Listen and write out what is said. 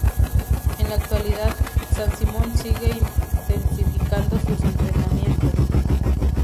En la actualidad, San Simón sigue intensificando sus entrenamientos.